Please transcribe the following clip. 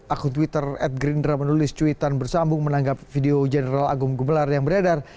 akun twitter at gerindra menulis cuitan bersambung menanggap video general agung gemelar yang beredar